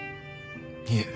いえ。